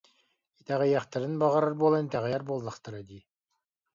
Итэҕэйиэхтэрин баҕарар буолан итэҕэйэр буоллахтара дии